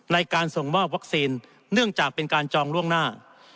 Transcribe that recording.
ในการส่งมอบวัคซีนเนื่องจากเป็นการจองล่วงหน้า